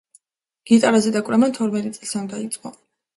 გიტარაზე დაკვრა მან თორმეტი წლისამ დაიწყო.